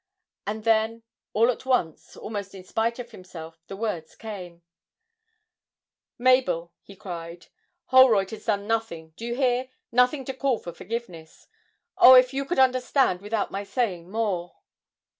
And then, all at once, almost in spite of himself, the words came: 'Mabel,' he cried, 'Holroyd has done nothing do you hear? nothing to call for forgiveness ... oh, if you could understand without my saying more!'